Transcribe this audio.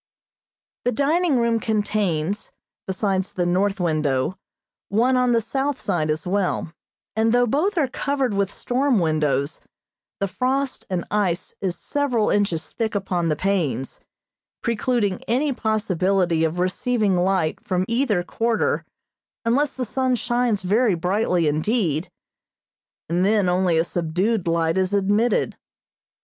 The dining room contains, besides the north window, one on the south side as well, and though both are covered with storm windows, the frost and ice is several inches thick upon the panes, precluding any possibility of receiving light from either quarter unless the sun shines very brightly indeed, and then only a subdued light is admitted.